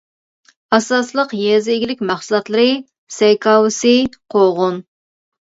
ئاساسلىق يېزا ئىگىلىك مەھسۇلاتلىرى سەي كاۋىسى، قوغۇن.